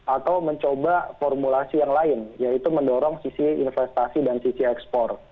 atau mencoba formulasi yang lain yaitu mendorong sisi investasi dan sisi ekspor